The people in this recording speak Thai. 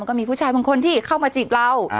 ก็มีผู้ชายบางคนที่เข้ามาจีบเรา